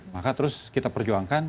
maka terus kita perjuangkan